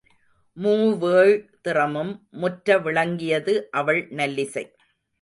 மூவேழ் திறமும் முற்ற விளங்கியது அவள் நல்லிசை.